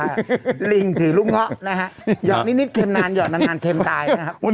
ว่าตาลิงถือรุ้งเหาะนะฮะเหน็ตนิถเค็มดานเยอะดำดำเค็มตายนะฮะ